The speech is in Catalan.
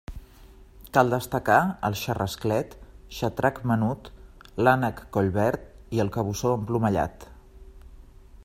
Cal destacar el xarrasclet, xatrac menut, l'Ànec collverd i el cabussó emplomallat.